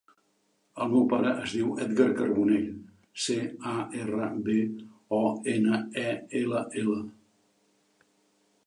El meu pare es diu Edgar Carbonell: ce, a, erra, be, o, ena, e, ela, ela.